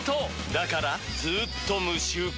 だからずーっと無臭化！